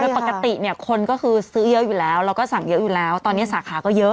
คือปกติเนี่ยคนก็คือซื้อเยอะอยู่แล้วแล้วก็สั่งเยอะอยู่แล้วตอนนี้สาขาก็เยอะ